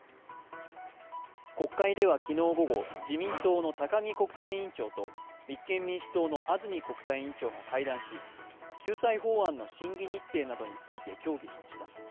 国会では昨日午後自民党の高木国対委員長と立憲民主党の安住国対委員長が会談し救済法案の審議日程などについて協議しました。